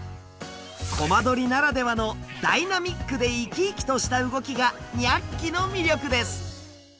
コマ撮りならではのダイナミックで生き生きとした動きがニャッキの魅力です。